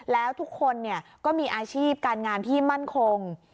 แล้วทุกคนก็มีอาชีพการงานที่มั่นคง